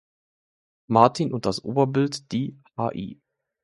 Martin und das Oberbild die Hl.